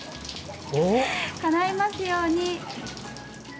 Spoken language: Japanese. かないますように。